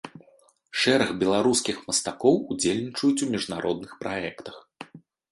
Шэраг беларускіх мастакоў удзельнічаюць у міжнародных праектах.